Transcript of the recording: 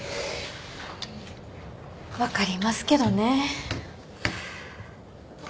分かりますけどね。